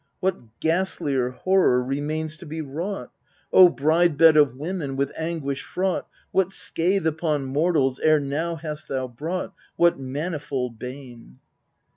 What ghastlier horror remains to be wrought? O bride bed of women, with anguish fraught, What scathe upon mortals ere now hast thou brought, What manifold bane